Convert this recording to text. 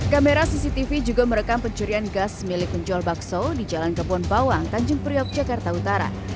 kamera cctv juga merekam pencurian gas milik penjual bakso di jalan kebon bawang tanjung priok jakarta utara